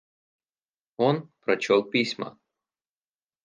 Он прочел письма.